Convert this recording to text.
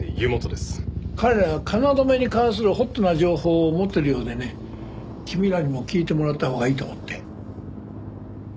彼ら京に関するホットな情報を持ってるようでね君らにも聞いてもらったほうがいいと思って。